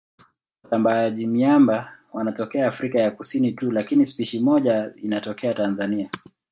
Watambaaji-miamba wanatokea Afrika ya Kusini tu lakini spishi moja inatokea Tanzania.